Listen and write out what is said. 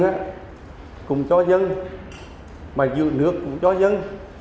dự rừng cũng cho dân mà dự nước cũng cho dân